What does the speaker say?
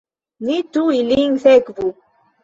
Ni tuj lin sekvu!